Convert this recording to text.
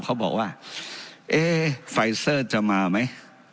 เขาบอกว่าเอ๊ไฟเซอร์จะมาไหม